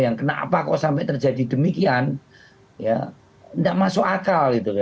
yang kenapa kok sampai terjadi demikian tidak masuk akal